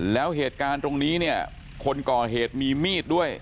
แล้วเหตุการณ์ตรงนี้เนี่ยคนก่อเหตุมีมีดด้วย